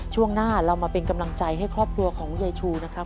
ช่วงหน้าเรามาเป็นกำลังใจให้ครอบครัวของยายชูนะครับ